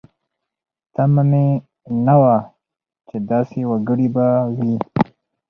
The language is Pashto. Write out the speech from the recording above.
تمه مې نه وه چې داسې وګړي به وي.